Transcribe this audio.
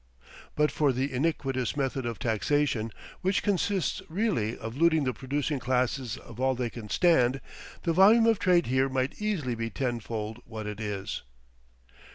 But for the iniquitous method of taxation, which consists really of looting the producing classes of all they can stand, the volume of trade here might easily be tenfold what it is.